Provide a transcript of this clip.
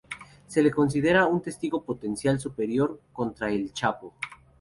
Se le considera un testigo potencial superior contra "El Chapo".